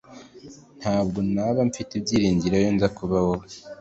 Ntabwo naba mfite ibyiringiro iyo nza kuba wowe